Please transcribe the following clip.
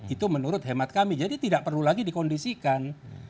itu menurut hemat kami jadi tidak perlu lagi dikondisikan